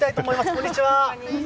こんにちは。